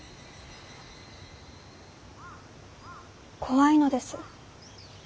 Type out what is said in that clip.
怖いのです。